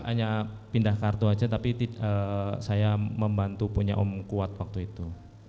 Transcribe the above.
hanya pindah kartu aja tapi saya membantu punya om kuat waktu itu